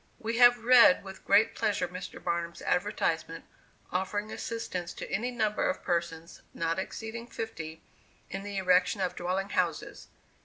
We have read with great pleasure Mr. Barnum's advertisement, offering assistance to any number of persons, not exceeding fifty, in the erection of dwelling houses.